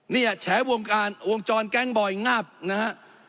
เนี่ยแฉวงการวงจรแก๊งบ่อยงาบนะฮะ